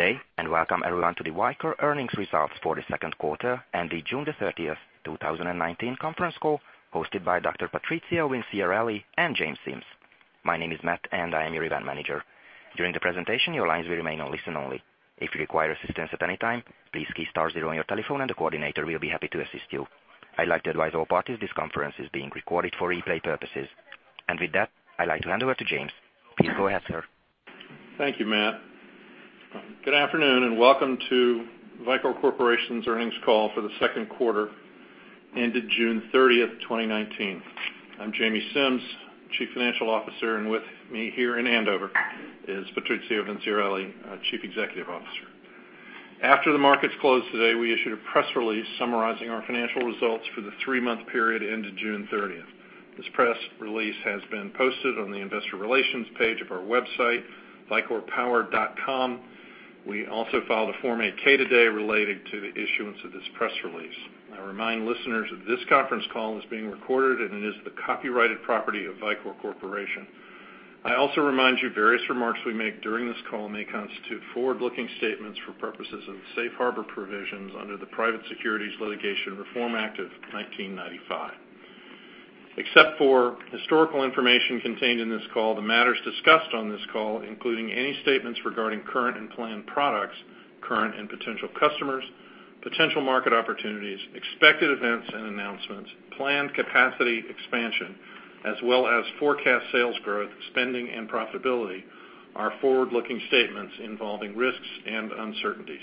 Good day, welcome everyone to the Vicor earnings results for the second quarter and the June the 30th, 2019 conference call hosted by Dr. Patrizio Vinciarelli and James Simms. My name is Matt, and I am your event manager. During the presentation, your lines will remain on listen only. If you require assistance at any time, please key star zero on your telephone and the coordinator will be happy to assist you. I'd like to advise all parties this conference is being recorded for replay purposes. With that, I'd like to hand over to James. Please go ahead, sir. Thank you, Matt. Good afternoon and welcome to Vicor Corporation's earnings call for the second quarter ended June 30th, 2019. I'm Jamie Simms, Chief Financial Officer, and with me here in Andover is Patrizio Vinciarelli, our Chief Executive Officer. After the markets closed today, we issued a press release summarizing our financial results for the three-month period ended June 30th. This press release has been posted on the investor relations page of our website, vicorpower.com. We also filed a Form 8-K today related to the issuance of this press release. I remind listeners that this conference call is being recorded and it is the copyrighted property of Vicor Corporation. I also remind you various remarks we make during this call may constitute forward-looking statements for purposes of the safe harbor provisions under the Private Securities Litigation Reform Act of 1995. Except for historical information contained in this call, the matters discussed on this call, including any statements regarding current and planned products, current and potential customers, potential market opportunities, expected events and announcements, planned capacity expansion, as well as forecast sales growth, spending, and profitability, are forward-looking statements involving risks and uncertainties.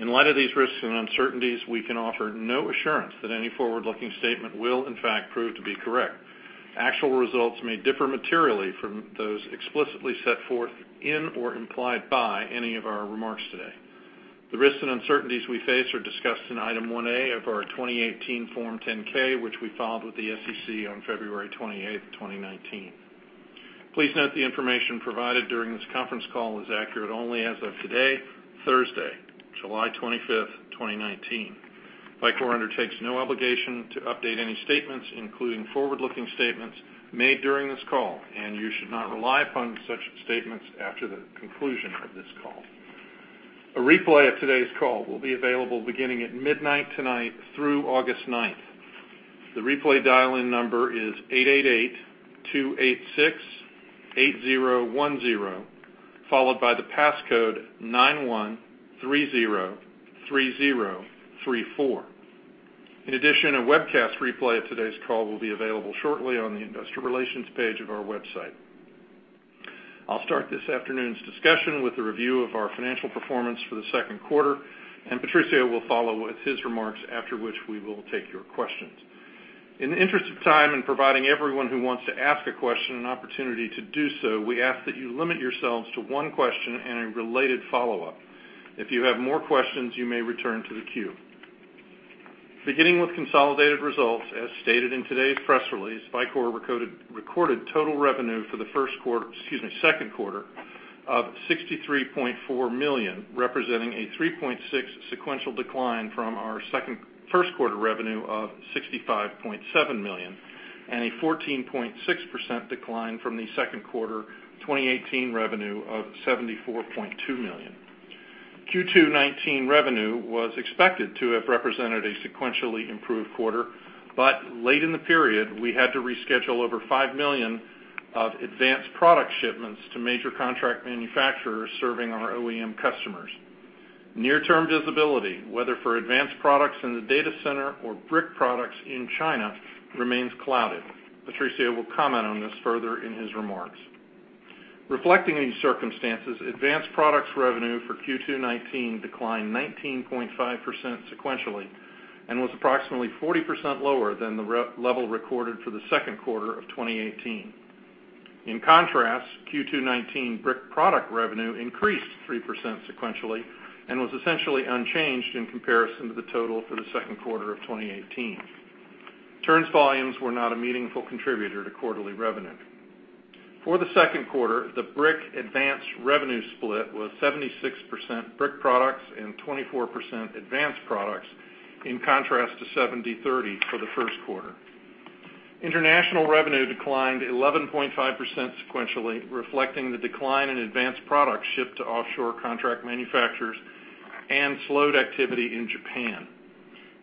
In light of these risks and uncertainties, we can offer no assurance that any forward-looking statement will in fact prove to be correct. Actual results may differ materially from those explicitly set forth in or implied by any of our remarks today. The risks and uncertainties we face are discussed in Item 1A of our 2018 Form 10-K, which we filed with the SEC on February 28th, 2019. Please note the information provided during this conference call is accurate only as of today, Thursday, July 25th, 2019. Vicor undertakes no obligation to update any statements, including forward-looking statements made during this call, and you should not rely upon such statements after the conclusion of this call. A replay of today's call will be available beginning at midnight tonight through August 9th. The replay dial-in number is 888-286-8010, followed by the passcode 91303034. In addition, a webcast replay of today's call will be available shortly on the investor relations page of our website. I'll start this afternoon's discussion with a review of our financial performance for the second quarter, and Patrizio will follow with his remarks, after which we will take your questions. In the interest of time, in providing everyone who wants to ask a question an opportunity to do so, we ask that you limit yourselves to one question and a related follow-up. If you have more questions, you may return to the queue. Beginning with consolidated results, as stated in today's press release, Vicor recorded total revenue for the first quarter, excuse me, second quarter of $63.4 million, representing a 3.6% sequential decline from our first quarter revenue of $65.7 million, and a 14.6% decline from the second quarter 2018 revenue of $74.2 million. Q2 2019 revenue was expected to have represented a sequentially improved quarter, late in the period, we had to reschedule over $5 million of advanced product shipments to major contract manufacturers serving our OEM customers. Near-term visibility, whether for advanced products in the data center or brick products in China, remains clouded. Patrizio will comment on this further in his remarks. Reflecting these circumstances, advanced products revenue for Q2 2019 declined 19.5% sequentially and was approximately 40% lower than the level recorded for the second quarter of 2018. In contrast, Q2 2019 brick product revenue increased 3% sequentially and was essentially unchanged in comparison to the total for the second quarter of 2018. Turns volumes were not a meaningful contributor to quarterly revenue. For the second quarter, the brick advanced revenue split was 76% brick products and 24% advanced products, in contrast to 70/30 for the first quarter. International revenue declined 11.5% sequentially, reflecting the decline in advanced products shipped to offshore contract manufacturers and slowed activity in Japan.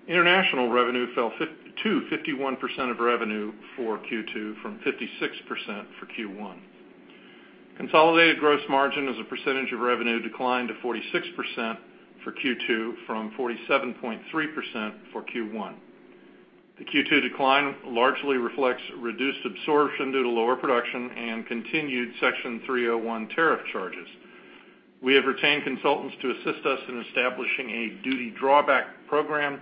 International revenue fell to 51% of revenue for Q2 from 56% for Q1. Consolidated gross margin as a percentage of revenue declined to 46% for Q2 from 47.3% for Q1. The Q2 decline largely reflects reduced absorption due to lower production and continued Section 301 tariff charges. We have retained consultants to assist us in establishing a duty drawback program.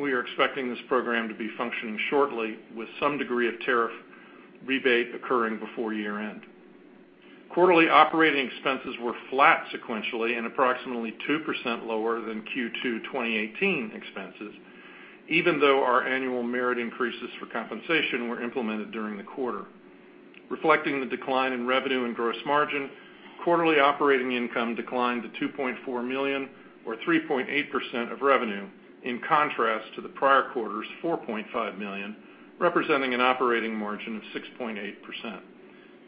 We are expecting this program to be functioning shortly with some degree of tariff rebate occurring before year-end. Quarterly operating expenses were flat sequentially and approximately 2% lower than Q2 2018 expenses, even though our annual merit increases for compensation were implemented during the quarter. Reflecting the decline in revenue and gross margin, quarterly operating income declined to $2.4 million or 3.8% of revenue, in contrast to the prior quarter's $4.5 million, representing an operating margin of 6.8%.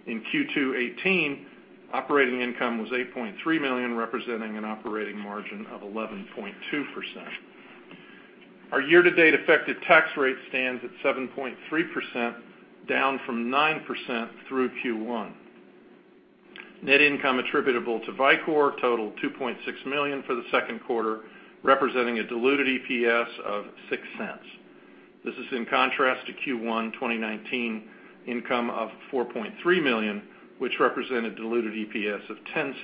In Q2 2018, operating income was $8.3 million, representing an operating margin of 11.2%. Our year-to-date effective tax rate stands at 7.3%, down from 9% through Q1. Net income attributable to Vicor totaled $2.6 million for the second quarter, representing a diluted EPS of $0.06. This is in contrast to Q1 2019 income of $4.3 million, which represented diluted EPS of $0.10.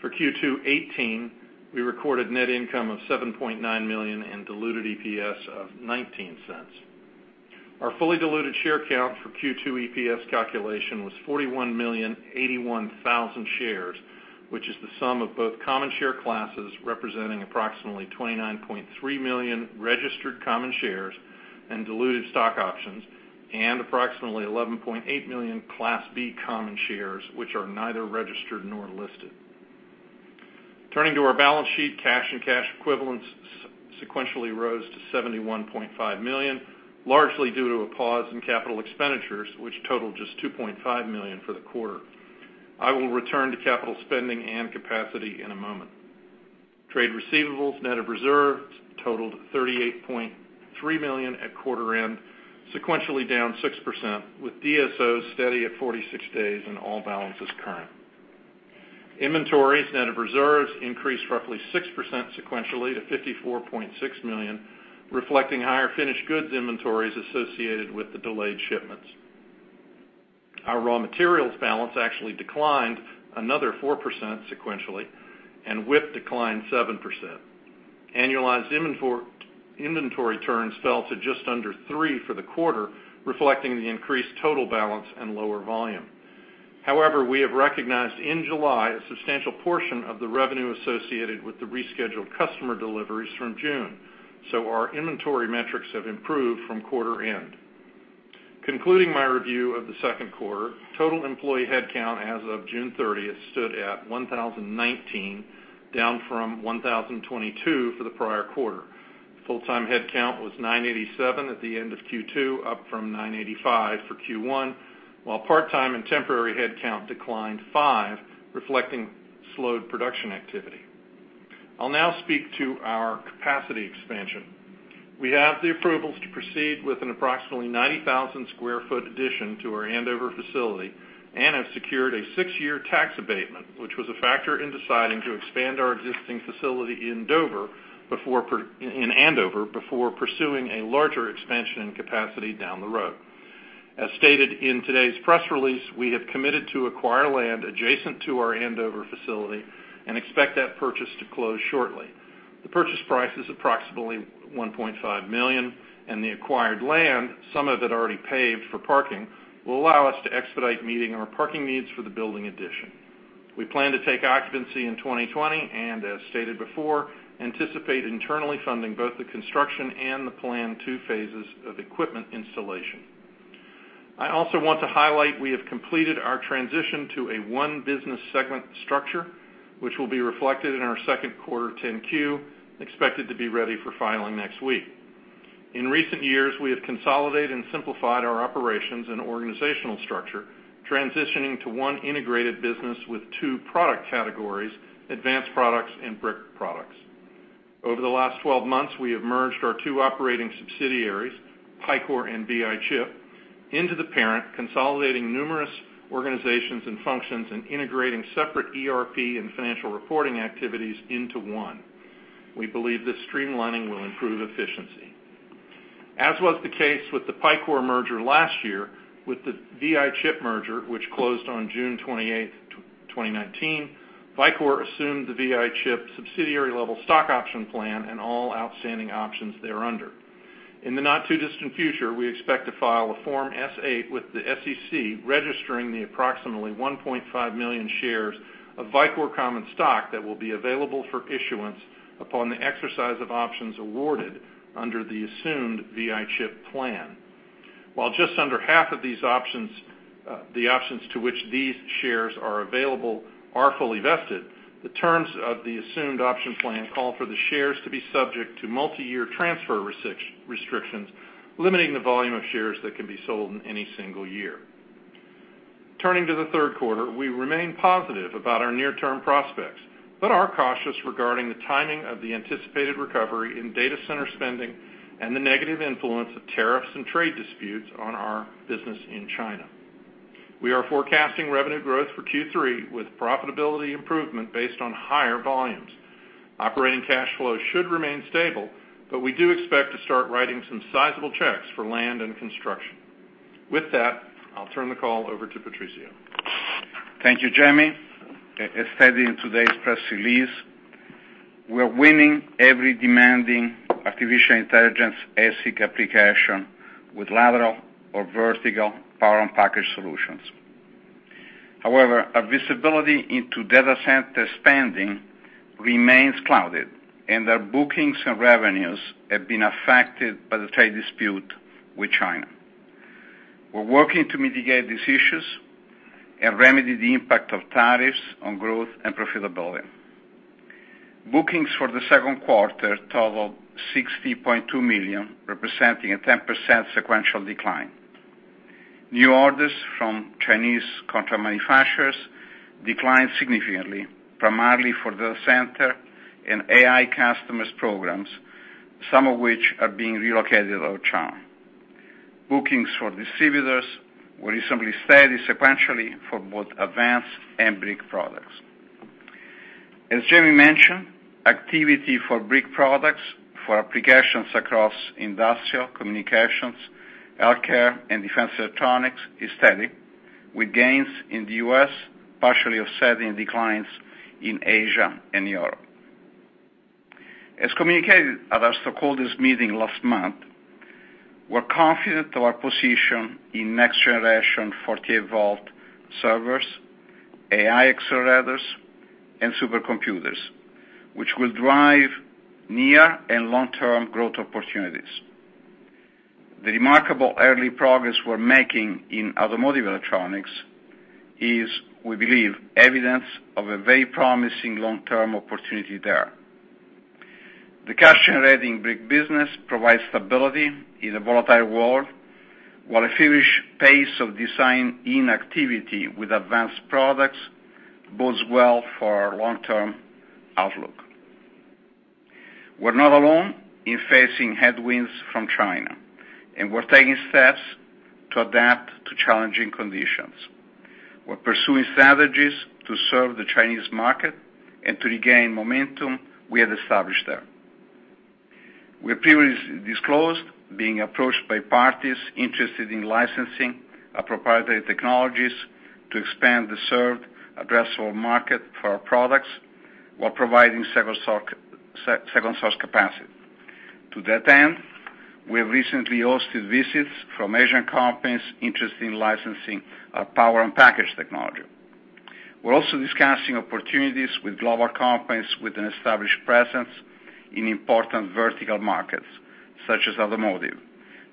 For Q2 2018, we recorded net income of $7.9 million in diluted EPS of $0.19. Our fully diluted share count for Q2 EPS calculation was 41,081,000 shares, which is the sum of both common share classes representing approximately 29.3 million registered common shares and diluted stock options and approximately 11.8 million Class B common shares, which are neither registered nor listed. Turning to our balance sheet, cash and cash equivalents sequentially rose to $71.5 million, largely due to a pause in capital expenditures, which totaled just $2.5 million for the quarter. I will return to capital spending and capacity in a moment. Trade receivables, net of reserves, totaled $38.3 million at quarter end, sequentially down 6%, with DSOs steady at 46 days and all balances current. Inventories, net of reserves, increased roughly 6% sequentially to $54.6 million, reflecting higher finished goods inventories associated with the delayed shipments. Our raw materials balance actually declined another 4% sequentially, and WIP declined 7%. Annualized inventory turns fell to just under three for the quarter, reflecting the increased total balance and lower volume. However, we have recognized in July a substantial portion of the revenue associated with the rescheduled customer deliveries from June, so our inventory metrics have improved from quarter end. Concluding my review of the second quarter, total employee headcount as of June 30th stood at 1,019, down from 1,022 for the prior quarter. Full-time headcount was 987 at the end of Q2, up from 985 for Q1, while part-time and temporary headcount declined five, reflecting slowed production activity. I'll now speak to our capacity expansion. We have the approvals to proceed with an approximately 90,000 sq ft addition to our Andover facility and have secured a six-year tax abatement, which was a factor in deciding to expand our existing facility in Andover before pursuing a larger expansion in capacity down the road. As stated in today's press release, we have committed to acquire land adjacent to our Andover facility and expect that purchase to close shortly. The purchase price is approximately $1.5 million, and the acquired land, some of it already paved for parking, will allow us to expedite meeting our parking needs for the building addition. We plan to take occupancy in 2020, and as stated before, anticipate internally funding both the construction and the planned two phases of equipment installation. I also want to highlight we have completed our transition to a one-business segment structure, which will be reflected in our second quarter 10-Q, expected to be ready for filing next week. In recent years, we have consolidated and simplified our operations and organizational structure, transitioning to one integrated business with two product categories, advanced products and brick products. Over the last 12 months, we have merged our two operating subsidiaries, Picor and VI Chip, into the parent, consolidating numerous organizations and functions and integrating separate ERP and financial reporting activities into one. We believe this streamlining will improve efficiency. As was the case with the Picor merger last year, with the VI Chip merger, which closed on June 28th, 2019, Vicor assumed the VI Chip subsidiary-level stock option plan and all outstanding options thereunder. In the not-too-distant future, we expect to file a Form S-8 with the SEC registering the approximately 1.5 million shares of Vicor common stock that will be available for issuance upon the exercise of options awarded under the assumed VI Chip plan. While just under half of the options to which these shares are available are fully vested, the terms of the assumed option plan call for the shares to be subject to multi-year transfer restrictions, limiting the volume of shares that can be sold in any single year. Turning to the third quarter, we remain positive about our near-term prospects but are cautious regarding the timing of the anticipated recovery in data center spending and the negative influence of tariffs and trade disputes on our business in China. We are forecasting revenue growth for Q3 with profitability improvement based on higher volumes. Operating cash flow should remain stable, but we do expect to start writing some sizable checks for land and construction. With that, I'll turn the call over to Patrizio. Thank you, Jamie. As stated in today's press release, we're winning every demanding artificial intelligence ASIC application with lateral or vertical power and package solutions. However, our visibility into data center spending remains clouded, and our bookings and revenues have been affected by the trade dispute with China. We're working to mitigate these issues and remedy the impact of tariffs on growth and profitability. Bookings for the second quarter totaled $60.2 million, representing a 10% sequential decline. New orders from Chinese contract manufacturers declined significantly, primarily for data center and AI customers' programs, some of which are being relocated out of China. Bookings for distributors were reasonably steady sequentially for both advanced and brick products. As Jamie mentioned, activity for brick products for applications across industrial communications, healthcare, and defense electronics is steady, with gains in the U.S. partially offsetting declines in Asia and Europe. As communicated at our stockholders' meeting last month, we're confident of our position in next-generation 48-volt servers, AI accelerators, and supercomputers, which will drive near and long-term growth opportunities. The remarkable early progress we're making in automotive electronics is, we believe, evidence of a very promising long-term opportunity there. The cash-generating brick business provides stability in a volatile world, while a feverish pace of design-in activity with advanced products bodes well for our long-term outlook. We're not alone in facing headwinds from China, and we're taking steps to adapt to challenging conditions. We're pursuing strategies to serve the Chinese market and to regain momentum we have established there. We previously disclosed being approached by parties interested in licensing our proprietary technologies to expand the served addressable market for our products while providing second source capacity. To that end, we have recently hosted visits from Asian companies interested in licensing our power and package technology. We're also discussing opportunities with global companies with an established presence in important vertical markets such as automotive,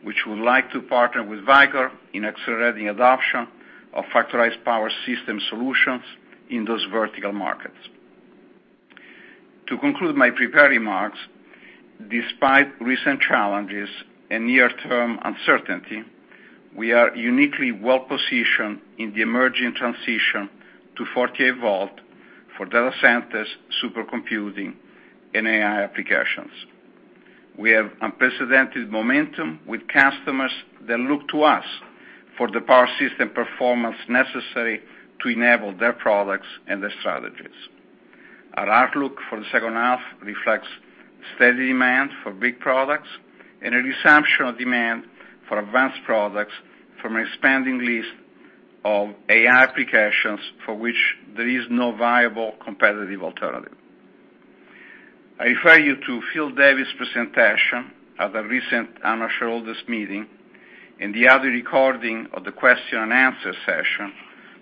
which would like to partner with Vicor in accelerating adoption of factorized power system solutions in those vertical markets. To conclude my prepared remarks, despite recent challenges and near-term uncertainty, we are uniquely well-positioned in the emerging transition to 48 volt for data centers, supercomputing, and AI applications. We have unprecedented momentum with customers that look to us for the power system performance necessary to enable their products and their strategies. Our outlook for the second half reflects steady demand for brick products and a resumption of demand for advanced products from an expanding list of AI applications for which there is no viable competitive alternative. I refer you to Philip Davies' presentation at the recent Annual Shareholders Meeting and the other recording of the question and answer session,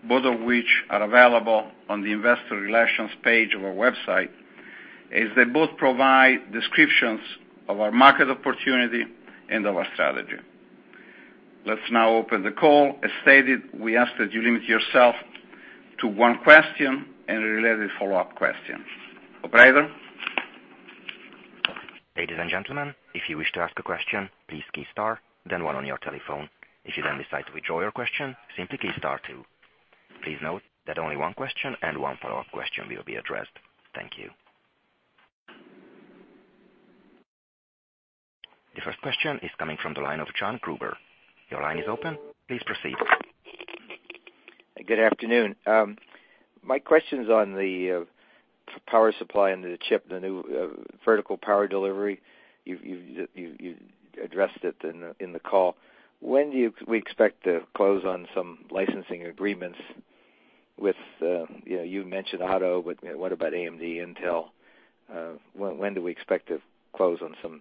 both of which are available on the investor relations page of our website, as they both provide descriptions of our market opportunity and our strategy. Let's now open the call. As stated, we ask that you limit yourself to one question and a related follow-up question. Operator? Ladies and gentlemen, if you wish to ask a question, please key star, then one on your telephone. If you then decide to withdraw your question, simply key star two. Please note that only one question and one follow-up question will be addressed. Thank you. The first question is coming from the line of John Gruber. Your line is open. Please proceed. Good afternoon. My question's on the power supply and the chip, the new vertical power delivery. You addressed it in the call. When do we expect to close on some licensing agreements with, you mentioned auto, but what about AMD, Intel? When do we expect to close on some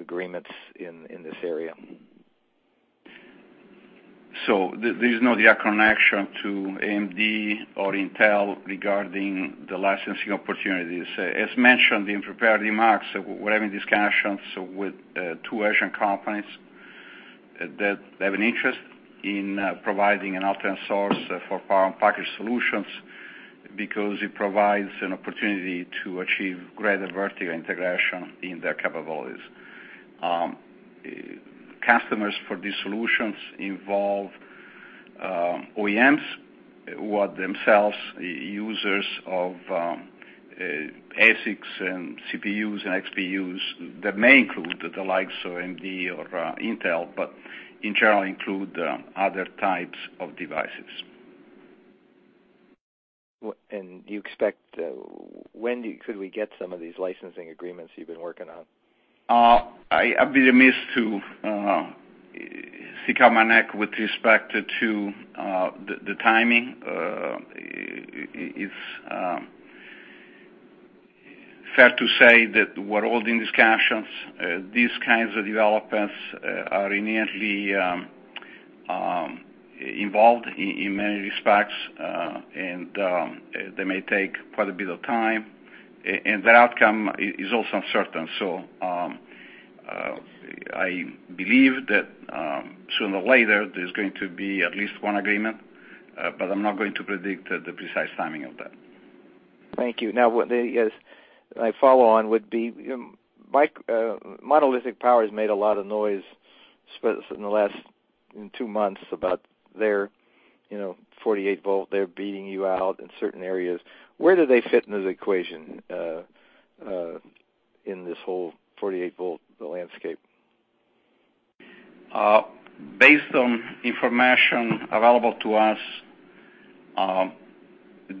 agreements in this area? There is no direct connection to AMD or Intel regarding the licensing opportunities. As mentioned in prepared remarks, we're having discussions with two Asian companies that have an interest in providing an alternate source for power and package solutions, because it provides an opportunity to achieve greater vertical integration in their capabilities. Customers for these solutions involve OEMs, who are themselves users of ASICs and CPUs and XPUs that may include the likes of AMD or Intel, but in general include other types of devices. Do you expect, when could we get some of these licensing agreements you've been working on? I'd be remiss to stick out my neck with respect to the timing. It's fair to say that we're holding discussions. These kinds of developments are inherently involved in many respects, and they may take quite a bit of time, and their outcome is also uncertain. I believe that sooner or later, there's going to be at least one agreement, but I'm not going to predict the precise timing of that. Thank you. My follow-on would be, Monolithic Power has made a lot of noise in the last two months about their 48 volt. They're beating you out in certain areas. Where do they fit into the equation, in this whole 48 volt landscape? Based on information available to us,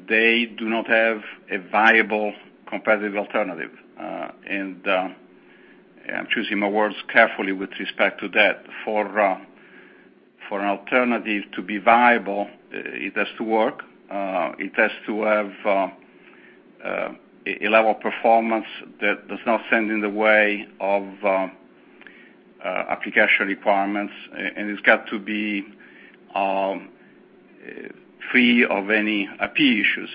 they do not have a viable competitive alternative. I'm choosing my words carefully with respect to that. For an alternative to be viable, it has to work, it has to have a level of performance that does not stand in the way of application requirements, and it's got to be free of any IP issues.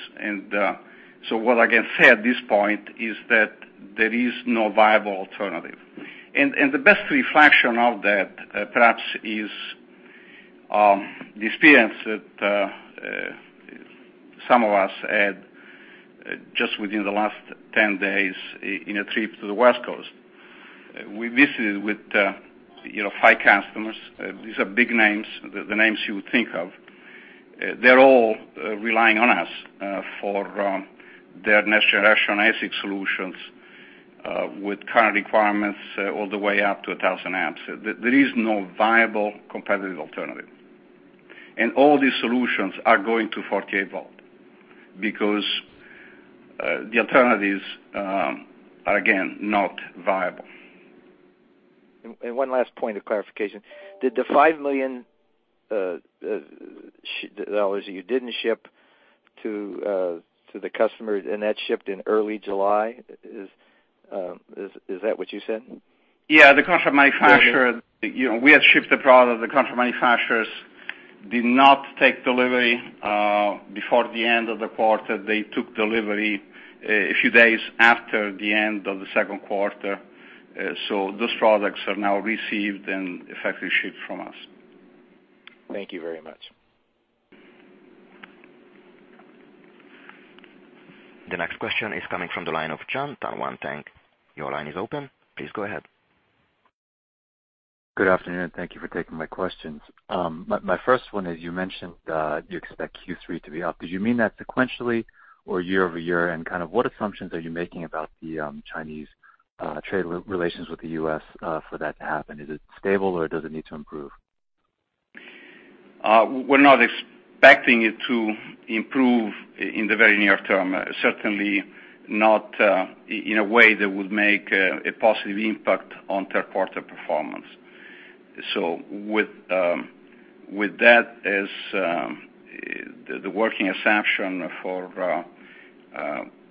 What I can say at this point is that there is no viable alternative. The best reflection of that, perhaps, is the experience that some of us had just within the last 10 days in a trip to the West Coast. We visited with high customers. These are big names, the names you would think of. They're all relying on us for their next-generation ASIC solutions with current requirements all the way up to 1,000 amps. There is no viable competitive alternative. All these solutions are going to 48 volt because the alternatives are, again, not viable. One last point of clarification. Did the $5 million you didn't ship to the customer, and that shipped in early July, is that what you said? The contract manufacturer, we had shipped the product. The contract manufacturers did not take delivery before the end of the quarter. They took delivery a few days after the end of the second quarter. Those products are now received and effectively shipped from us. Thank you very much. The next question is coming from the line of Jon Tanwanteng. Your line is open. Please go ahead. Good afternoon. Thank you for taking my questions. My first one is, you mentioned, you expect Q3 to be up. Did you mean that sequentially or year-over-year? What assumptions are you making about the Chinese trade relations with the U.S. for that to happen? Is it stable or does it need to improve? We're not expecting it to improve in the very near term. Certainly not in a way that would make a positive impact on third quarter performance. With that as the working assumption for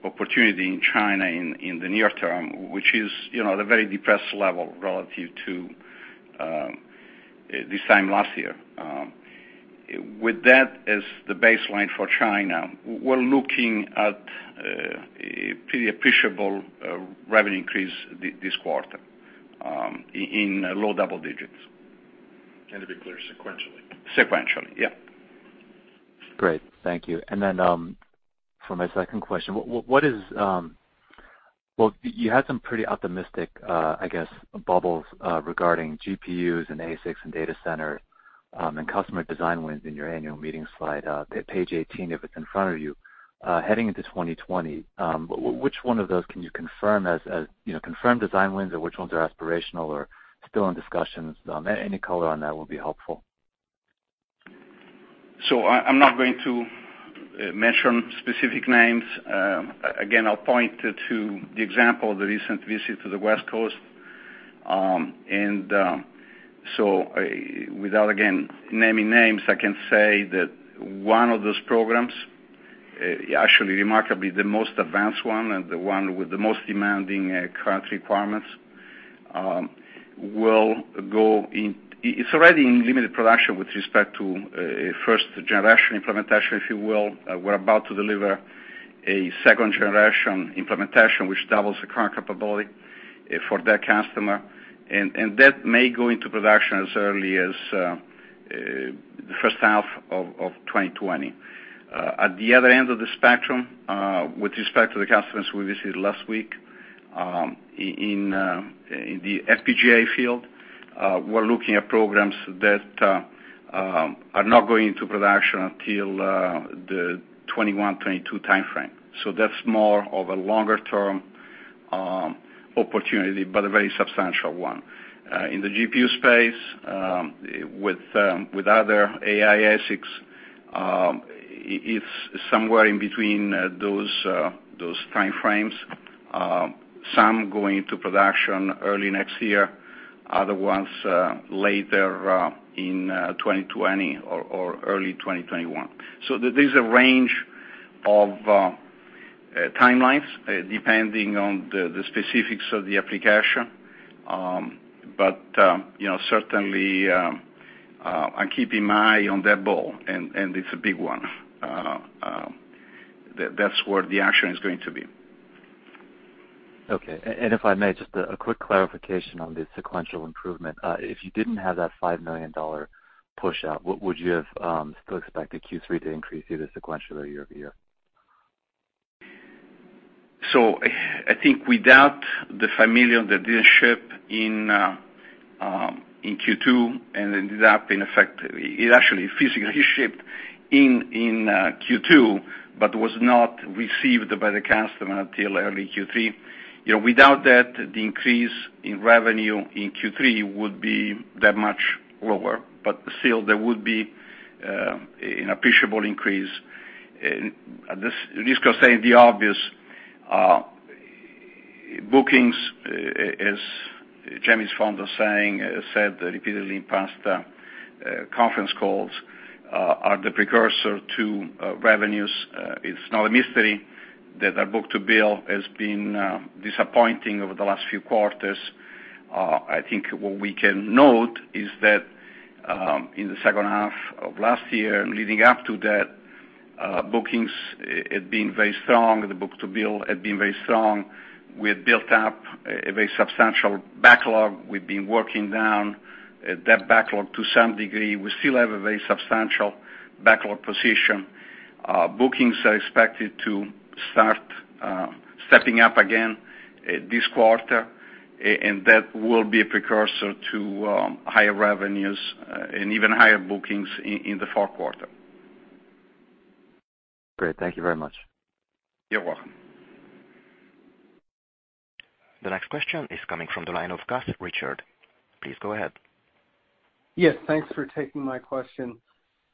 opportunity in China in the near term, which is at a very depressed level relative to this time last year. With that as the baseline for China, we're looking at a pretty appreciable revenue increase this quarter, in low double digits. To be clear, sequentially. Sequentially, yeah. Great. Thank you. For my second question, you had some pretty optimistic, I guess, bubbles, regarding GPUs and ASICs and data center, and customer design wins in your annual meeting slide, page 18, if it's in front of you. Heading into 2020, which one of those can you confirm design wins or which ones are aspirational or still in discussions? Any color on that will be helpful. I'm not going to mention specific names. Again, I'll point to the example of the recent visit to the West Coast. Without, again, naming names, I can say that one of those programs, actually remarkably the most advanced one and the one with the most demanding current requirements, it's already in limited production with respect to a first-generation implementation, if you will. We're about to deliver a second-generation implementation, which doubles the current capability for that customer. That may go into production as early as the first half of 2020. At the other end of the spectrum, with respect to the customers we visited last week, in the FPGA field, we're looking at programs that are not going into production until the 2021, 2022 timeframe. That's more of a longer-term opportunity, but a very substantial one. In the GPU space, with other AI ASICs, it's somewhere in between those timeframes. Some going into production early next year, other ones later in 2020 or early 2021. There's a range of timelines depending on the specifics of the application. Certainly, I'm keeping my eye on that ball, and it's a big one. That's where the action is going to be. Okay. If I may, just a quick clarification on the sequential improvement. If you didn't have that $5 million pushout, would you have still expected Q3 to increase either sequentially or year-over-year? I think without the $5 million that didn't ship in Q2 and ended up in effect. It actually physically shipped in Q2, but was not received by the customer until early Q3. Without that, the increase in revenue in Q3 would be that much lower. Still, there would be an appreciable increase. This risk of saying the obvious, bookings, as [Jamie has often said] repeatedly in past conference calls, are the precursor to revenues. It's not a mystery that our book-to-bill has been disappointing over the last few quarters. I think what we can note is that in the second half of last year, leading up to that, bookings had been very strong. The book-to-bill had been very strong. We had built up a very substantial backlog. We've been working down that backlog to some degree. We still have a very substantial backlog position. Bookings are expected to start stepping up again this quarter, and that will be a precursor to higher revenues and even higher bookings in the fourth quarter. Great. Thank you very much. You're welcome. The next question is coming from the line of Gus Richard. Please go ahead. Yes, thanks for taking my question.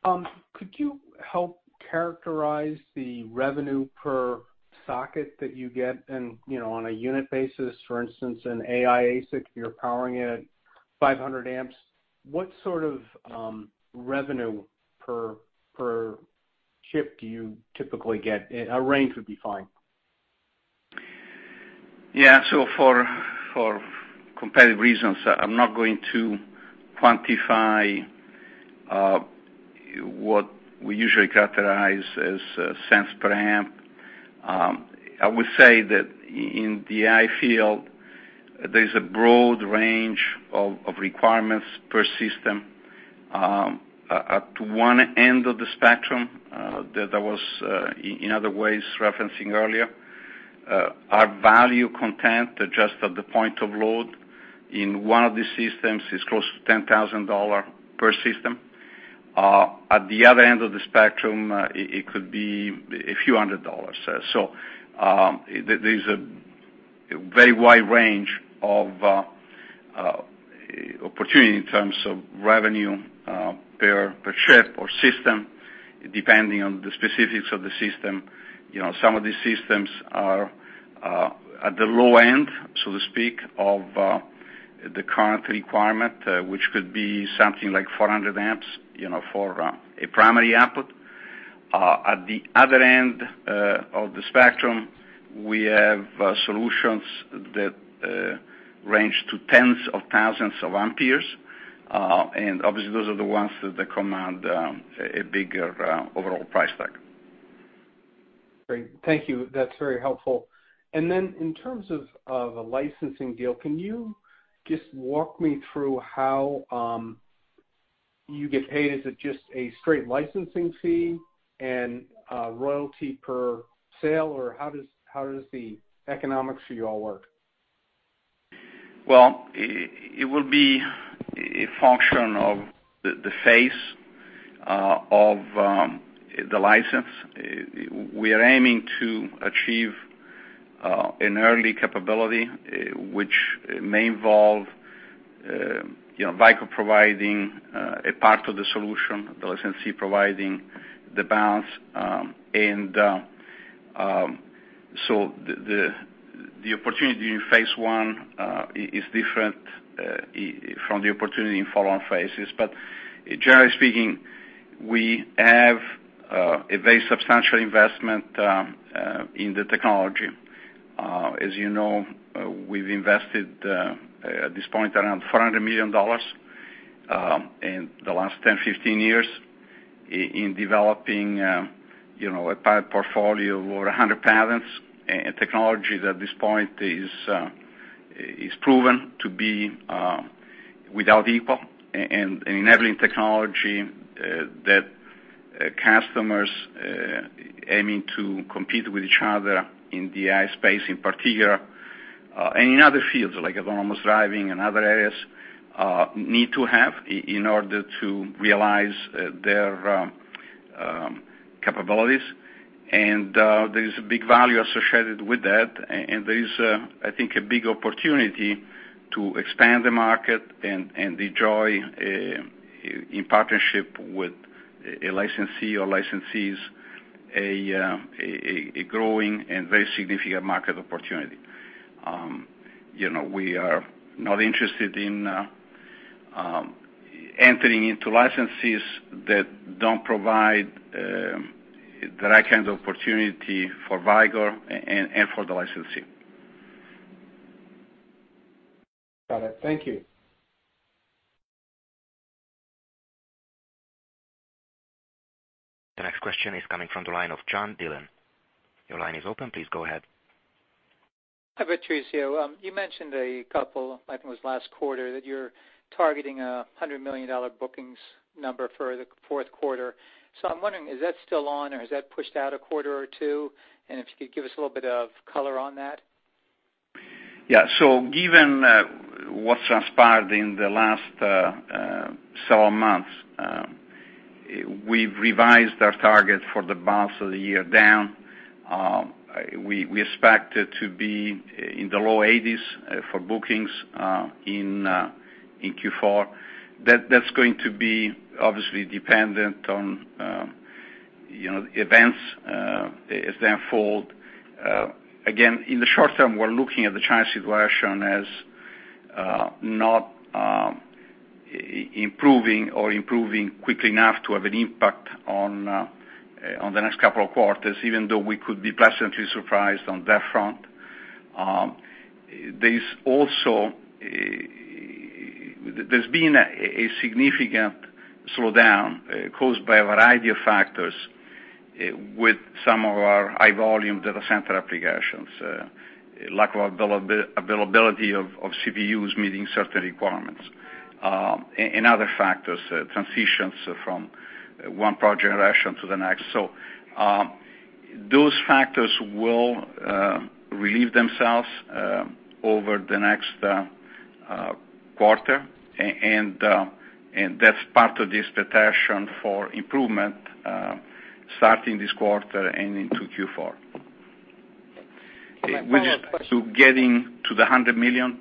Could you help characterize the revenue per socket that you get in on a unit basis? For instance, an AI ASIC, you're powering it at 500 amps. What sort of revenue per chip do you typically get? A range would be fine. So for competitive reasons, I'm not going to quantify what we usually characterize as cents-per-amp. I would say that in the AI field, there's a broad range of requirements per system. Up to one end of the spectrum, that I was in other ways referencing earlier, our value content, just at the point of load in one of the systems, is close to $10,000 per system. At the other end of the spectrum, it could be a few hundred dollars. There's a very wide range of opportunity in terms of revenue per chip or system, depending on the specifics of the system. Some of these systems are at the low end, so to speak, of the current requirement, which could be something like 400 amps for a primary output. At the other end of the spectrum, we have solutions that range to tens of thousands of amperes. Obviously those are the ones that command a bigger overall price tag. Great. Thank you. That's very helpful. In terms of a licensing deal, can you just walk me through how you get paid? Is it just a straight licensing fee and a royalty per sale, or how does the economics for you all work? Well, it will be a function of the phase of the license. We are aiming to achieve an early capability, which may involve Vicor providing a part of the solution, the licensee providing the balance. The opportunity in phase one is different from the opportunity in follow-on phases. Generally speaking, we have a very substantial investment in the technology. As you know, we've invested, at this point, around $400 million in the last 10, 15 years in developing a patent portfolio of over 100 patents. Technology, at this point, is proven to be without equal, and enabling technology that customers aiming to compete with each other in the AI space in particular, and in other fields like autonomous driving and other areas, need to have in order to realize their capabilities. There's a big value associated with that, and there is, I think, a big opportunity to expand the market and enjoy, in partnership with a licensee or licensees, a growing and very significant market opportunity. We are not interested in entering into licensees that don't provide the right kind of opportunity for Vicor and for the licensee. Got it. Thank you. The question is coming from the line of John Dillon. Your line is open. Please go ahead. Hi, Patrizio. You mentioned a couple, I think it was last quarter, that you're targeting $100 million bookings number for the fourth quarter. I'm wondering, is that still on or has that pushed out a quarter or two? If you could give us a little bit of color on that? Given what's transpired in the last several months, we've revised our target for the balance of the year down. We expect it to be in the low 80s for bookings in Q4. That's going to be obviously dependent on events as they unfold. Again, in the short term, we're looking at the China situation as not improving or improving quickly enough to have an impact on the next couple of quarters, even though we could be pleasantly surprised on that front. There's been a significant slowdown caused by a variety of factors with some of our high-volume data center applications, lack of availability of CPUs meeting certain requirements, and other factors, transitions from one generation to the next. Those factors will relieve themselves over the next quarter, and that's part of this potential for improvement, starting this quarter and into Q4. My follow-up question. Getting to the $100 million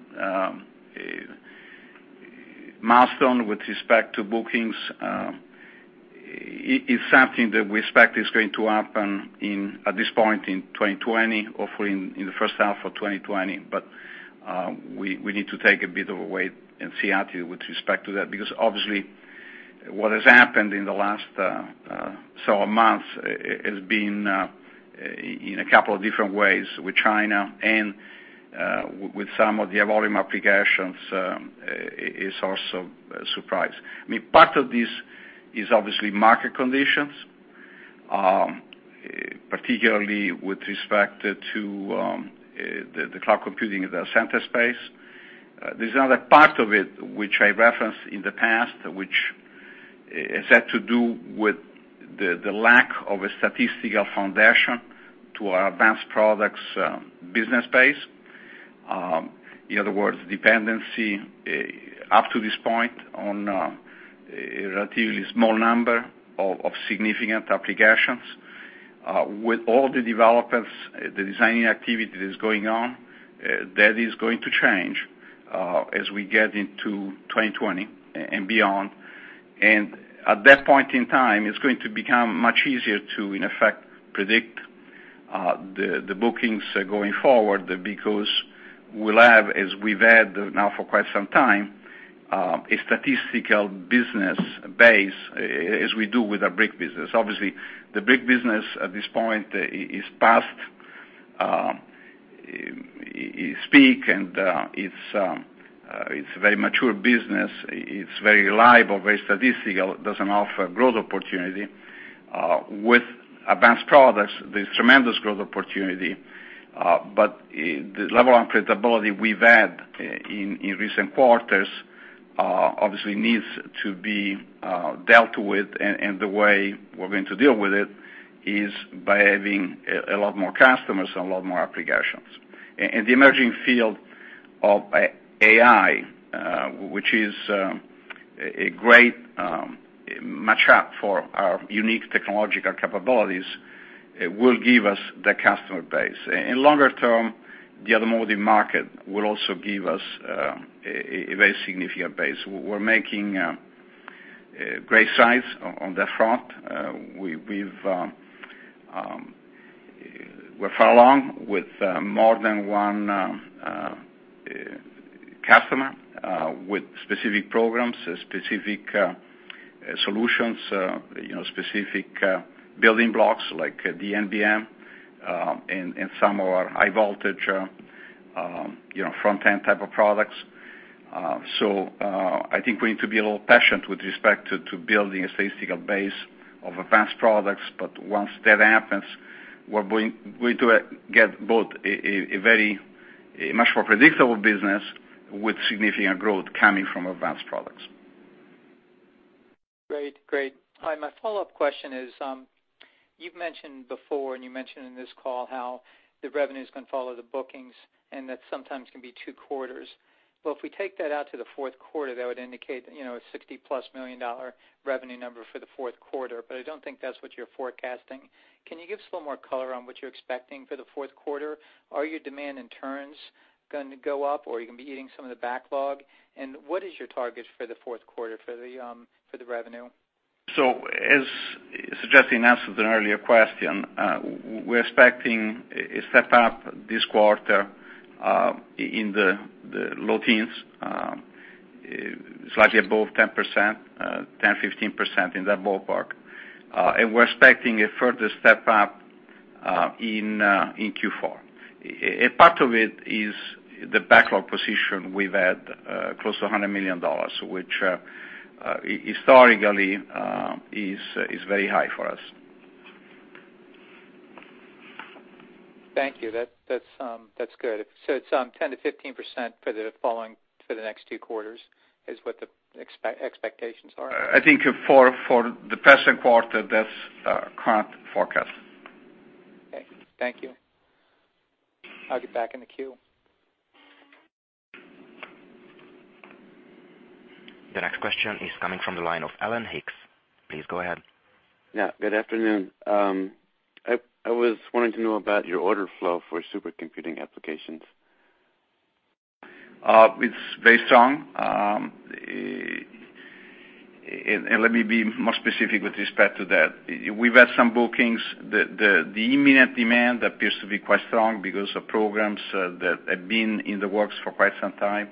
milestone with respect to bookings, is something that we expect is going to happen at this point in 2020 or in the first half of 2020. We need to take a bit of a wait and see attitude with respect to that, because obviously what has happened in the last several months has been in a couple of different ways with China and with some of the volume applications is also a surprise. Part of this is obviously market conditions, particularly with respect to the cloud computing data center space. There's another part of it, which I referenced in the past, which has had to do with the lack of a statistical foundation to our advanced products business base. In other words, dependency up to this point on a relatively small number of significant applications. With all the developers, the designing activity that is going on, that is going to change as we get into 2020 and beyond. At that point in time, it's going to become much easier to, in effect, predict the bookings going forward because we'll have, as we've had now for quite some time, a statistical business base as we do with our brick business. Obviously, the brick business at this point is past its peak, and it's a very mature business. It's very reliable, very statistical, doesn't offer growth opportunity. With advanced products, there's tremendous growth opportunity, but the level of predictability we've had in recent quarters obviously needs to be dealt with, and the way we're going to deal with it is by having a lot more customers and a lot more applications. The emerging field of AI, which is a great match up for our unique technological capabilities, will give us the customer base. In longer term, the automotive market will also give us a very significant base. We're making great strides on that front. We're far along with more than one customer with specific programs, specific solutions, specific building blocks like the NBM, and some of our high voltage front-end type of products. I think we need to be a little patient with respect to building a statistical base of advanced products. Once that happens, we're going to get both a much more predictable business with significant growth coming from advanced products. Great. My follow-up question is, you've mentioned before, and you mentioned in this call how the revenue is going to follow the bookings, and that sometimes can be two quarters. If we take that out to the fourth quarter, that would indicate a $60-plus million revenue number for the fourth quarter. I don't think that's what you're forecasting. Can you give us a little more color on what you're expecting for the fourth quarter? Are your demand in turns going to go up, or are you going to be eating some of the backlog? What is your target for the fourth quarter for the revenue? As Justin answered an earlier question, we're expecting a step up this quarter in the low teens, slightly above 10%, 10%-15% in that ballpark. We're expecting a further step up in Q4. A part of it is the backlog position we've had, close to $100 million, which historically is very high for us. Thank you. That's good. It's 10% to 15% for the next two quarters is what the expectations are? I think for the present quarter, that's our current forecast. Okay, thank you. I'll get back in the queue. The next question is coming from the line of Alan Hicks. Please go ahead. Yeah, good afternoon. I was wanting to know about your order flow for supercomputing applications? It's very strong. Let me be more specific with respect to that. We've had some bookings. The immediate demand appears to be quite strong because of programs that have been in the works for quite some time,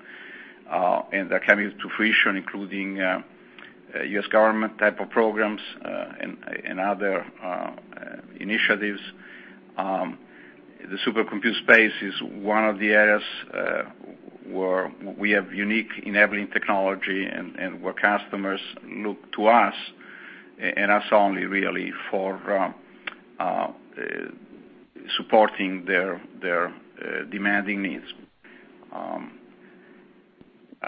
and are coming to fruition, including U.S. government type of programs, and other initiatives. The supercomputer space is one of the areas where we have unique enabling technology and where customers look to us, and us only, really, for supporting their demanding needs.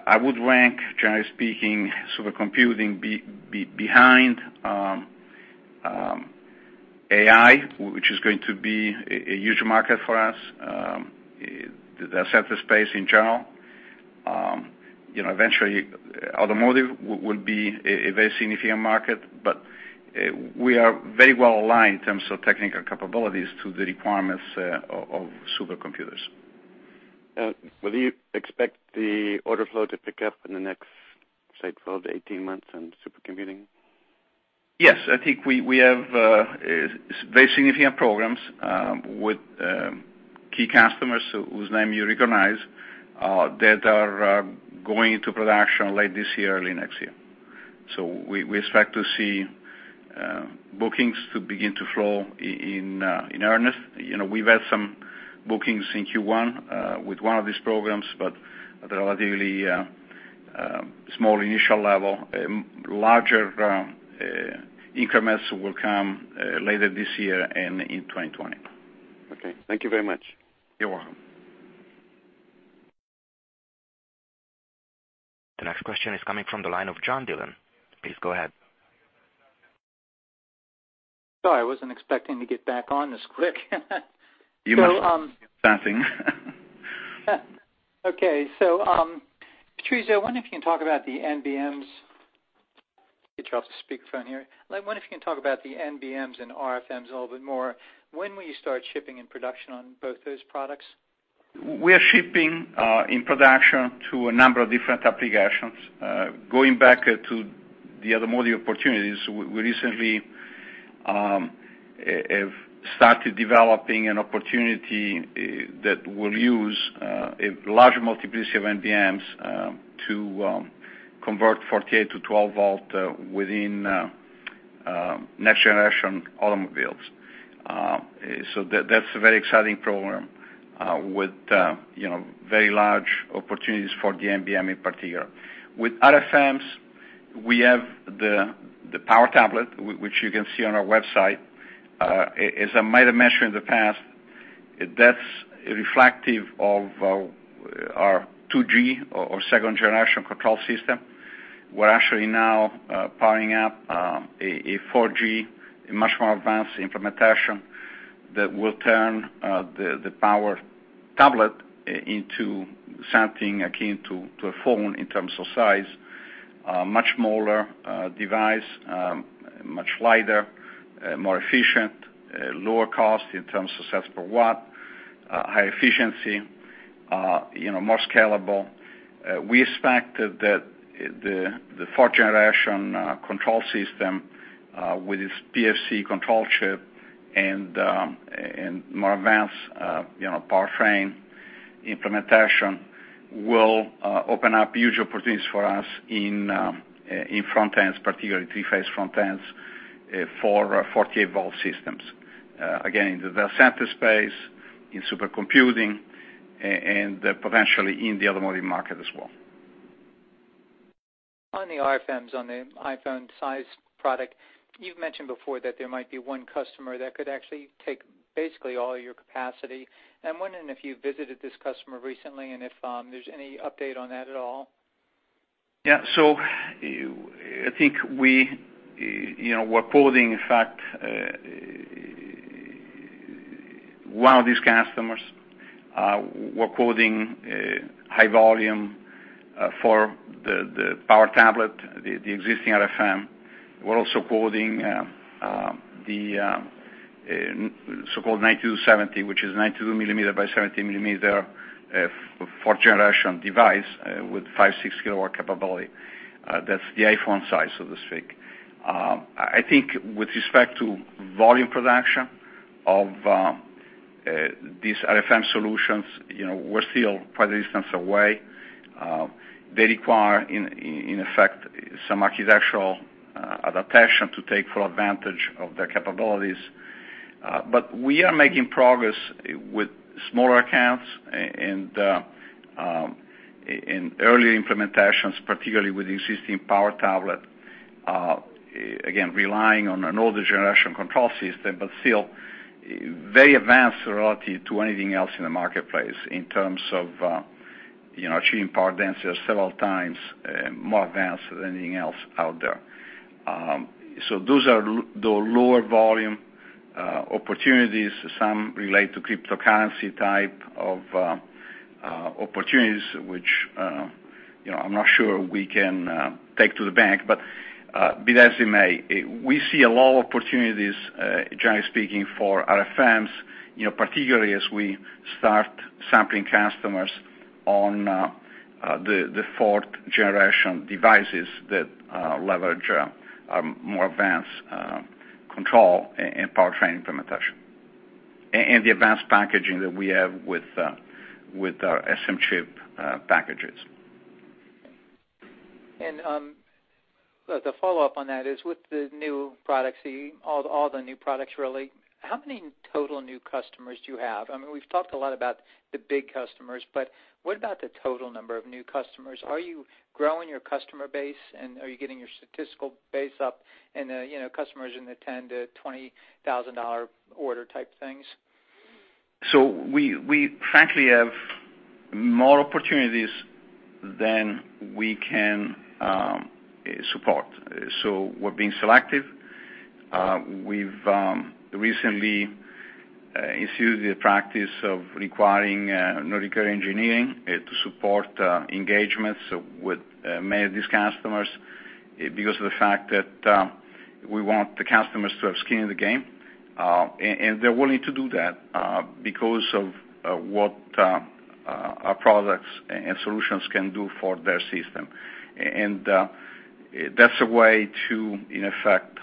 I would rank, generally speaking, supercomputing behind AI, which is going to be a huge market for us, the data center space in general. Eventually, automotive will be a very significant market, but we are very well-aligned in terms of technical capabilities to the requirements of supercomputers. Do you expect the order flow to pick up in the next, say, 12-18 months in supercomputing? Yes. I think we have very significant programs with key customers whose name you recognize, that are going into production late this year, early next year. We expect to see bookings to begin to flow in earnest. We've had some bookings in Q1 with one of these programs, but at a relatively small initial level. Larger increments will come later this year and in 2020. Okay. Thank you very much. You're welcome. The next question is coming from the line of John Dillon. Please go ahead. Sorry, I wasn't expecting to get back on this quick. You must be dancing. Okay. Patrizio, I wonder if you can talk about the NBMs. Get you off the speakerphone here. I wonder if you can talk about the NBMs and RFMs a little bit more. When will you start shipping and production on both those products? We are shipping in production to a number of different applications. Going back to the automotive opportunities, we recently have started developing an opportunity that will use a large multiplicity of NBMs to convert 48 to 12 volt within next-generation automobiles. That's a very exciting program with very large opportunities for the NBM in particular. With RFMs, we have the Power Tablet, which you can see on our website. As I might have mentioned in the past, that's reflective of our 2G or second-generation control system. We're actually now powering up a 4G, a much more advanced implementation that will turn the Power Tablet into something akin to a phone in terms of size. A much smaller device, much lighter, more efficient, lower cost in terms of cents-per-watt, high efficiency, more scalable. We expect that the fourth-generation control system with its PFC control chip and more advanced power train implementation will open up huge opportunities for us in front ends, particularly three-phase front ends for 48-volt systems. Again, in the data center space, in supercomputing, and potentially in the automotive market as well. On the RFMs, on the iPhone-size product, you've mentioned before that there might be one customer that could actually take basically all your capacity. I'm wondering if you visited this customer recently, and if there's any update on that at all. I think we're quoting, in fact, one of these customers. We're quoting high volume for the Power Tablet, the existing RFM. We're also quoting the so-called 9270, which is 92 millimeter by 70 millimeter fourth-generation device with five, six kilowatt capability. That's the iPhone size, so to speak. I think with respect to volume production of these RFM solutions, we're still quite a distance away. They require, in effect, some architectural. The passion to take full advantage of their capabilities. We are making progress with smaller accounts and in early implementations, particularly with the existing Power Tablet, again, relying on an older generation control system, but still very advanced relative to anything else in the marketplace in terms of achieving power density several times more advanced than anything else out there. Those are the lower volume opportunities. Some relate to cryptocurrency type of opportunities, which I'm not sure we can take to the bank. Be that as it may, we see a lot of opportunities, generally speaking, for RFMs, particularly as we start sampling customers on the fourth-generation devices that leverage more advanced control and powertrain implementation, and the advanced packaging that we have with our SM-ChiP packages. The follow-up on that is with the new products, all the new products, really, how many total new customers do you have? We've talked a lot about the big customers, but what about the total number of new customers? Are you growing your customer base, and are you getting your statistical base up and customers in the $10,000 to $20,000 order type things? We frankly have more opportunities than we can support. We're being selective. We've recently instituted a practice of requiring no recurring engineering to support engagements with many of these customers because of the fact that we want the customers to have skin in the game, and they're willing to do that because of what our products and solutions can do for their system. That's a way to, in effect,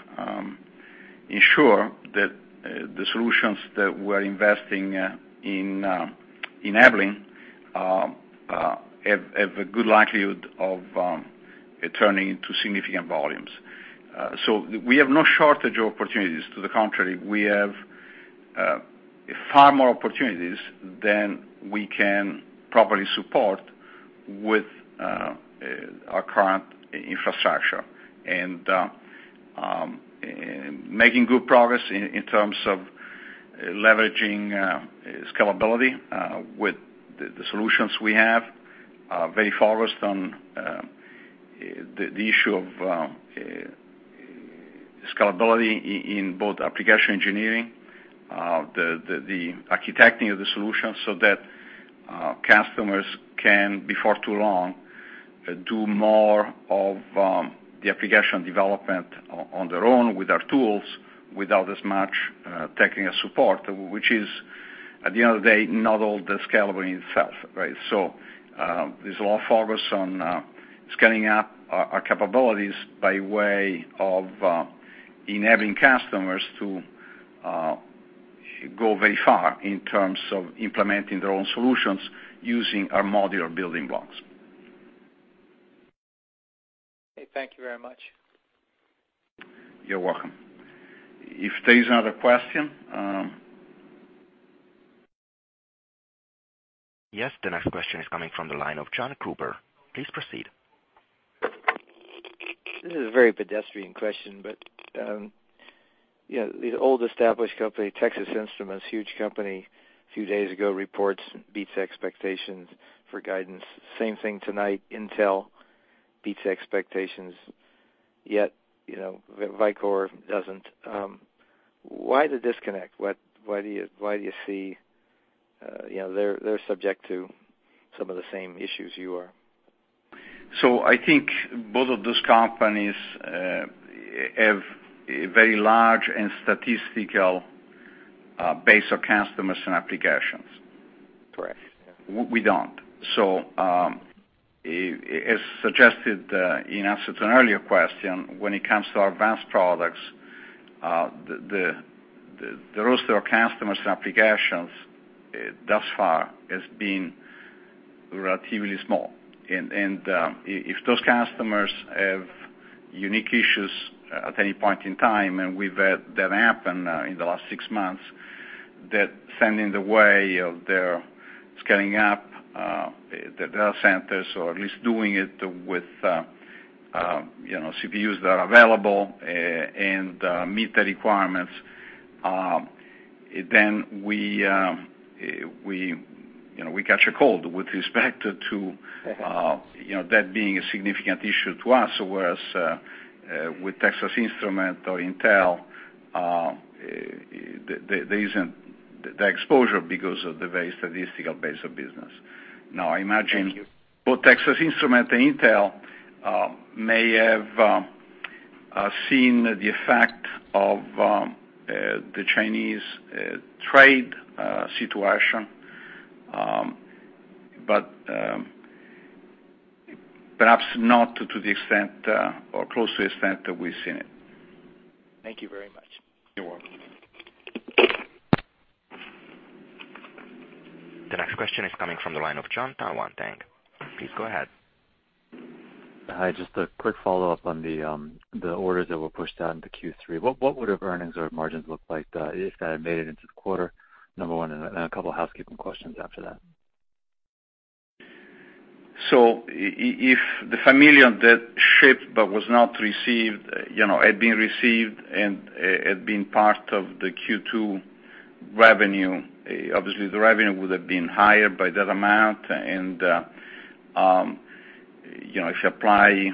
ensure that the solutions that we're investing in enabling have a good likelihood of turning into significant volumes. We have no shortage of opportunities. To the contrary, we have far more opportunities than we can properly support with our current infrastructure and making good progress in terms of leveraging scalability with the solutions we have, very focused on the issue of scalability in both application engineering, the architecting of the solution, so that customers can, before too long, do more of the application development on their own with our tools without as much technical support, which is, at the end of the day, not all the scalability itself, right? There's a lot of focus on scaling up our capabilities by way of enabling customers to go very far in terms of implementing their own solutions using our modular building blocks. Okay, thank you very much. You're welcome. If there's another question? Yes, the next question is coming from the line of John Cooper. Please proceed. This is a very pedestrian question, but the old established company, Texas Instruments, huge company, a few days ago, reports beats expectations for guidance. Same thing tonight, Intel beats expectations, yet Vicor doesn't. Why the disconnect? Why do you see they're subject to some of the same issues you are? I think both of those companies have a very large and statistical base of customers and applications. Correct. We don't. As suggested in answer to an earlier question, when it comes to our advanced products, the roster of customers and applications thus far has been relatively small. If those customers have unique issues at any point in time, and we've had that happen in the last six months, that stand in the way of their scaling up their centers or at least doing it with CPUs that are available and meet the requirements, then we catch a cold with respect to- that being a significant issue to us, whereas with Texas Instruments or Intel, there isn't the exposure because of the very statistical base of business. Thank you. both Texas Instruments and Intel may have seen the effect of the Chinese trade situation, but perhaps not to the extent or close to the extent that we've seen it. Thank you very much. You're welcome. The next question is coming from the line of Jon Tanwanteng. Thank you. Please go ahead. Hi, just a quick follow-up on the orders that were pushed out into Q3. What would earnings or margins look like if that had made it into the quarter? Number one. A couple of housekeeping questions after that. If the $5 million that shipped but was not received, had been received and had been part of the Q2 revenue, obviously the revenue would have been higher by that amount and, if you apply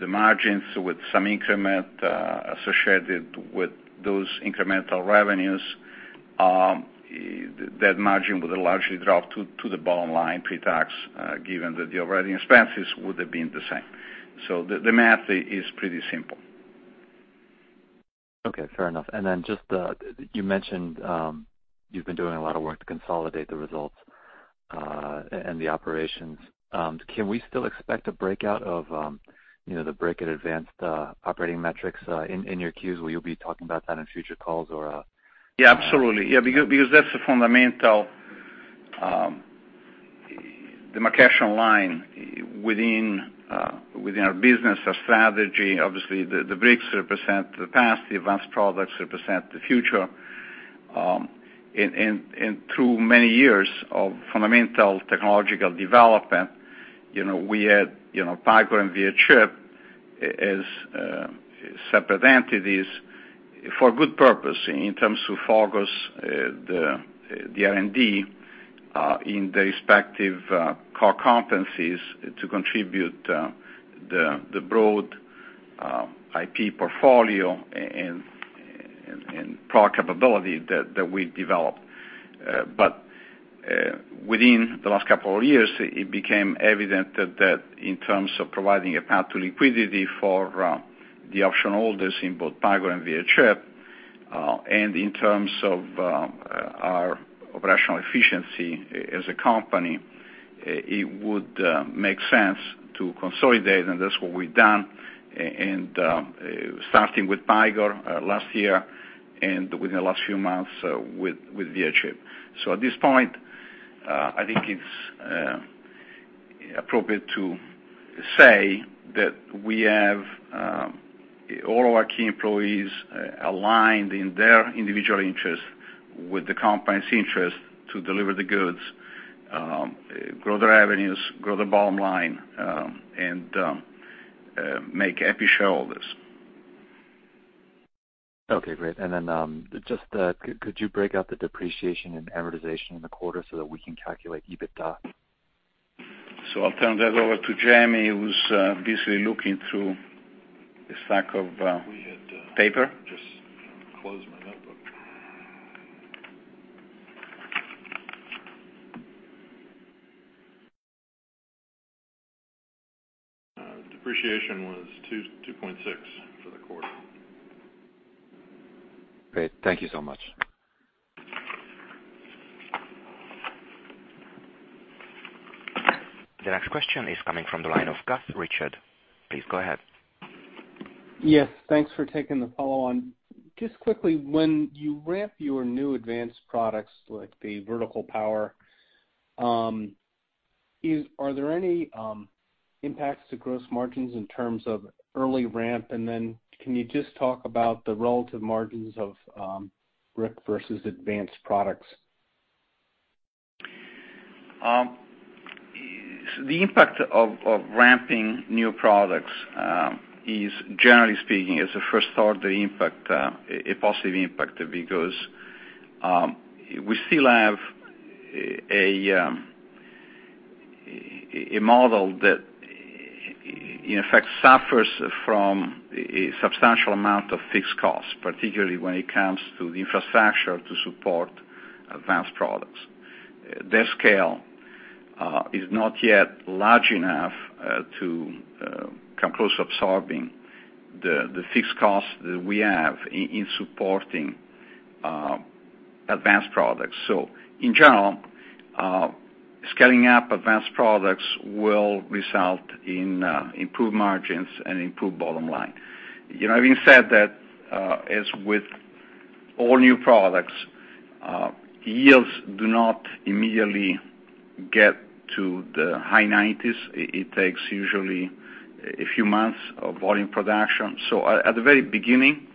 the margins with some increment associated with those incremental revenues, that margin would largely drop to the bottom line pre-tax, given that the operating expenses would have been the same. The math is pretty simple. Okay, fair enough. You mentioned, you've been doing a lot of work to consolidate the results and the operations. Can we still expect a breakout of the brick and advanced operating metrics in your 10-Qs? Will you be talking about that in future calls? Yeah, absolutely. Yeah. That's the fundamental demarcation line within our business, our strategy. Obviously, the bricks represent the past, the advanced products represent the future. Through many years of fundamental technological development, we had Picor and VI Chip as separate entities for good purpose in terms of focus the R&D in the respective core competencies to contribute the broad IP portfolio and product capability that we developed. Within the last couple of years, it became evident that in terms of providing a path to liquidity for the option holders in both Picor and VI Chip, and in terms of our operational efficiency as a company, it would make sense to consolidate, and that's what we've done. Starting with Picor last year and within the last few months with VI Chip. At this point, I think it's appropriate to say that we have all of our key employees aligned in their individual interests with the company's interest to deliver the goods, grow their revenues, grow the bottom line, and make happy shareholders. Okay, great. Just could you break out the depreciation and amortization in the quarter so that we can calculate EBITDA? I'll turn that over to James, who's basically looking through a stack of paper. We had just closed my notebook. Depreciation was $2.6 for the quarter. Great. Thank you so much. The next question is coming from the line of Gus Richard. Please go ahead. Yes, thanks for taking the follow-on. Just quickly, when you ramp your new advanced products, like the vertical power, are there any impacts to gross margins in terms of early ramp? Can you just talk about the relative margins of brick versus advanced products? The impact of ramping new products is, generally speaking, as a first order impact, a positive impact because we still have a model that, in effect, suffers from a substantial amount of fixed costs, particularly when it comes to the infrastructure to support advanced products. Their scale is not yet large enough to come close absorbing the fixed costs that we have in supporting advanced products. In general, scaling up advanced products will result in improved margins and improved bottom line. Having said that, as with all new products, yields do not immediately get to the high nineties. It takes usually a few months of volume production. At the very beginning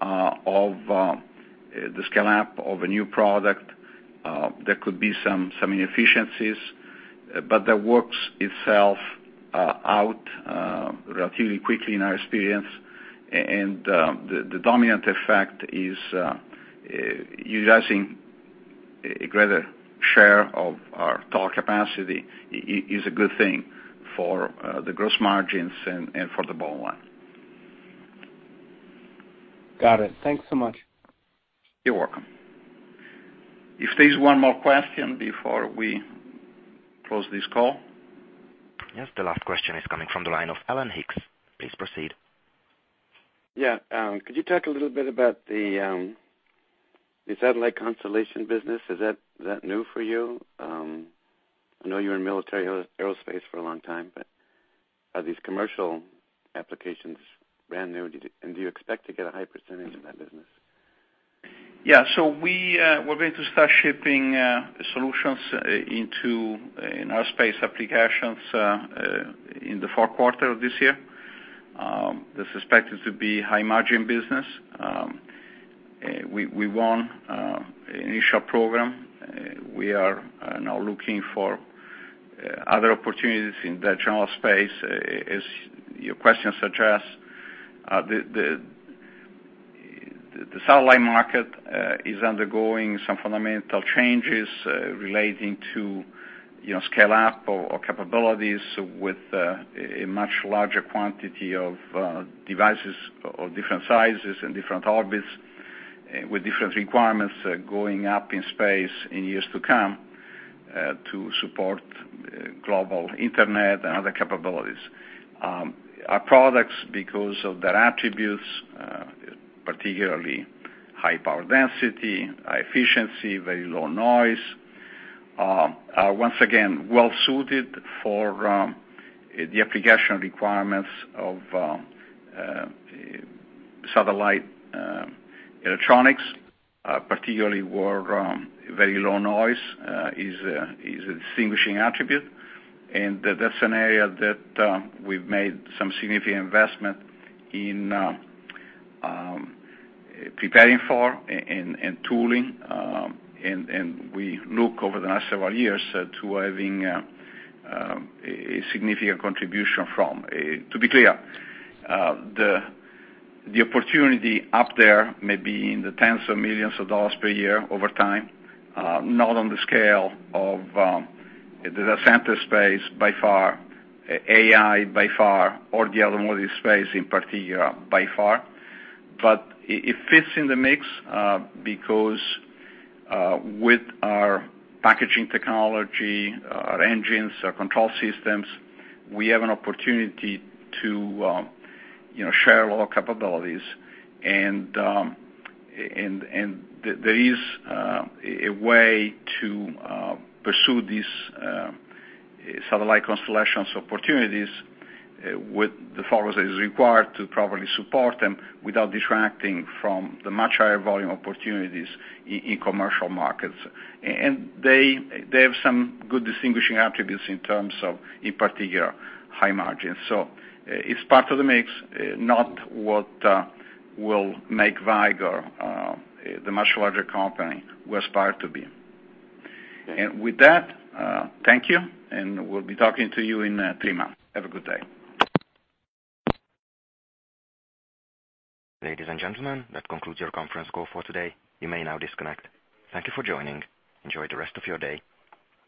of the scale-up of a new product, there could be some inefficiencies, but that works itself out relatively quickly in our experience. The dominant effect is utilizing a greater share of our total capacity is a good thing for the gross margins and for the bottom line. Got it. Thanks so much. You're welcome. If there's one more question before we close this call? Yes. The last question is coming from the line of Alan Hicks. Please proceed. Yeah. Could you talk a little bit about the satellite constellation business? Is that new for you? I know you were in military aerospace for a long time, but are these commercial applications brand new? Do you expect to get a high percentage of that business? Yeah. We're going to start shipping solutions in aerospace applications in the fourth quarter of this year. This is expected to be high-margin business. We won initial program. We are now looking for other opportunities in that general space, as your question suggests. The satellite market is undergoing some fundamental changes relating to scale-up or capabilities with a much larger quantity of devices of different sizes and different orbits, with different requirements going up in space in years to come, to support global internet and other capabilities. Our products, because of their attributes, particularly high power density, high efficiency, very low noise, are once again well-suited for the application requirements of satellite electronics, particularly where very low noise is a distinguishing attribute. That's an area that we've made some significant investment in preparing for and tooling, and we look over the next several years to having a significant contribution from. To be clear, the opportunity up there may be in the tens of millions of dollars per year over time, not on the scale of the data center space by far, AI by far, or the automotive space in particular, by far. It fits in the mix, because with our packaging technology, our engines, our control systems, we have an opportunity to share a lot of capabilities. There is a way to pursue these satellite constellations opportunities with the focus that is required to properly support them without detracting from the much higher volume opportunities in commercial markets. They have some good distinguishing attributes in terms of, in particular, high margins. It's part of the mix, not what will make Vicor the much larger company we aspire to be. With that, thank you, and we'll be talking to you in three months. Have a good day. Ladies and gentlemen, that concludes your conference call for today. You may now disconnect. Thank you for joining. Enjoy the rest of your day.